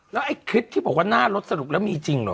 แล้วไอ้คลิปที่บอกว่าหน้ารถสรุปแล้วมีจริงเหรอ